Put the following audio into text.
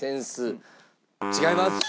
違います！